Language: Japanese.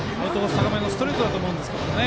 高めのストレートだと思うんですけどね。